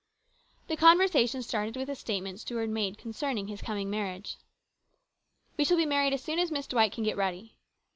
The conversation started with a statement Stuart made concerning his coming marriage. " We shall be married as soon as Miss Dwight can get ready."